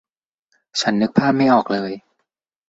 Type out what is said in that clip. ฉันนึกภาพไม่ออกเลย